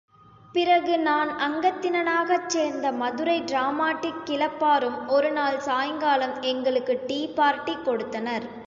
பிறகு நான் அங்கத்தினனாகச் சேர்ந்த மதுரை டிராமாடிக் கிளப்பாரும் ஒரு நாள் சாயங்காலம் எங்களுக்கு டீ பார்ட்டி கொடுத்தனர்.